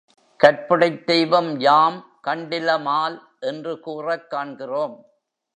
கற்புடைத் தெய்வம் யாம் கண்டிலமால் என்று கூறக் காண்கிறோம்.